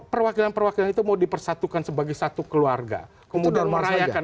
perwakilan perwakilan itu mau dipersatukan sebagai satu keluarga kemudian merayakan